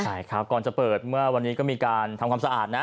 ใช่ครับก่อนจะเปิดเมื่อวันนี้ก็มีการทำความสะอาดนะ